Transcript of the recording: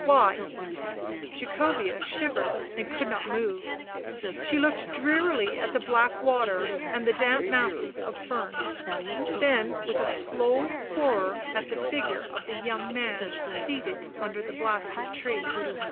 " Why ?" Jacobea shivered and could not move; she looked drearily at the black water and the damp masses of fern, then with a slow horror at the figure of the young man seated under the blasted tree.